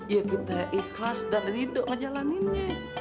ya kita ikhlas dan rindu ngejalaninnya